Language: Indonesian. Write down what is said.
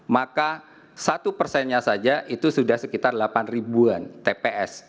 maka satu persennya saja itu sudah sekitar delapan ribuan tps